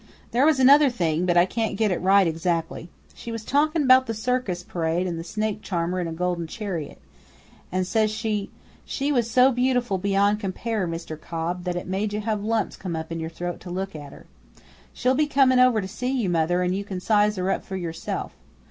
"There was another thing, but I can't get it right exactly. She was talkin' 'bout the circus parade an' the snake charmer in a gold chariot, an' says she, 'She was so beautiful beyond compare, Mr. Cobb, that it made you have lumps in your throat to look at her.' She'll be comin' over to see you, mother, an' you can size her up for yourself.